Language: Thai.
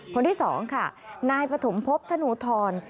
คนที่สองค่ะนายปฐมภพธนูทร